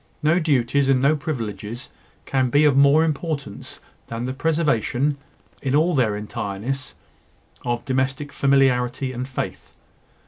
No duties and no privileges can be of more importance than the preservation, in all their entireness, of domestic familiarity and faith.